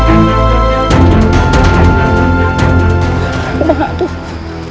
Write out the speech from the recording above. sampai aku mati